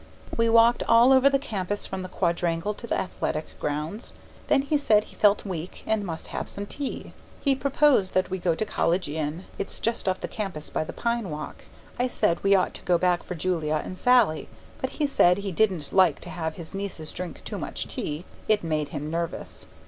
We walked all over the campus from the quadrangle to the athletic grounds; then he said he felt weak and must have some tea. He proposed that we go to College Inn it's just off the campus by the pine walk. I said we ought to go back for Julia and Sallie, but he said he didn't like to have his nieces drink too much tea; it made them nervous.